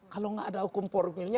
kalau nggak ada hukum formilnya